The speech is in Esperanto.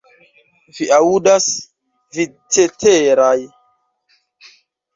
Vi aŭdas, vi ceteraj!